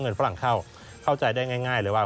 ฝรั่งเข้าเข้าใจได้ง่ายเลยว่า